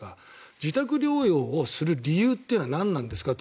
自宅療養をする理由は何なんですかと。